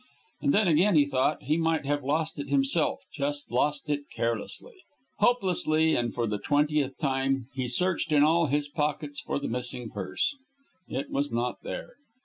And then again, he thought, he might have lost it himself, just lost it carelessly. Hopelessly, and for the twentieth time, he searched in all his pockets for the missing purse. It was not there.